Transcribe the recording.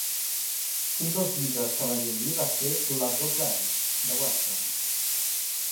Un dels llibres que va llegir va ser "La Doble Hèlix", de Watson.